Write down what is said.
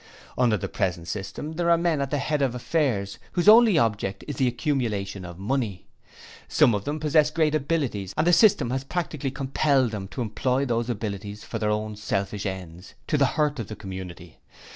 'Under the present system there are men at the head of affairs whose only object is the accumulation of money. Some of them possess great abilities and the system has practically compelled them to employ those abilities for their own selfish ends to the hurt of the community.